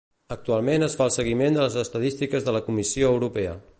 Actualment es fa el seguiment de les estadístiques de la Comissió Europea.